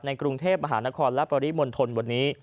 กรุงเทพมหานครและปริมณฑลวันนี้